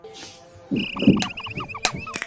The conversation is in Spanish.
Artículo de referencia